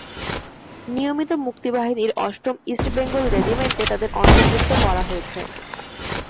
নিয়মিত মুক্তিবাহিনীর অষ্টম ইস্ট বেঙ্গল রেজিমেন্টে তাঁদের অন্তর্ভুক্ত করা হয়েছে।